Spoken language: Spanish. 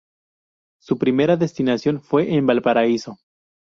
Su primera destinación fue en Valparaíso.